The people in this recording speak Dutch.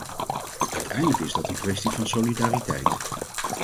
Uiteindelijk is dat een kwestie van solidariteit.